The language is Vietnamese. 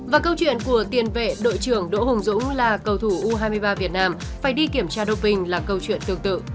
và câu chuyện của tiền vệ đội trưởng đỗ hùng dũng là cầu thủ u hai mươi ba việt nam phải đi kiểm tra doping là câu chuyện tương tự